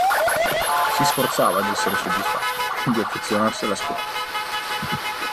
Si sforzava d'essere soddisfatto e di affezionarsi alla scuola.